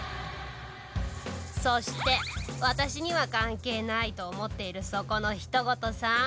そして私には関係ないと思っているそこのヒトゴトさん。